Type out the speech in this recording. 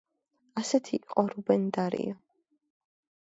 ასეთი იყო რუბენ დარიო.